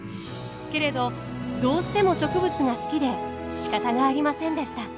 けれどどうしても植物が好きでしかたがありませんでした。